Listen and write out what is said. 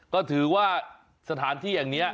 ก็ถือว่าสถานที่อย่างนี้